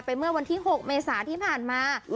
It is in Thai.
เมื่อวันที่๖เมษาที่ผ่านมา